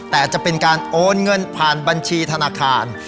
แต่จะเป็นการโอนเงินผ่านบัญชีธนาคาร